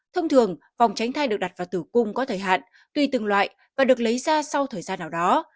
thông thường vòng tránh thai được đặt vào tử cung có thời hạn tùy từng loại và được lấy ra sau thời gian nào đó